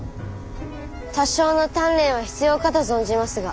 多少の鍛錬は必要かと存じますが。